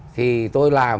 thì tôi làm